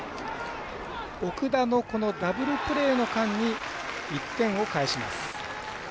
奥田のダブルプレーの間に１点を返します。